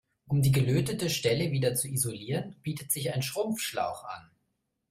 Um die gelötete Stelle wieder zu isolieren, bietet sich ein Schrumpfschlauch an.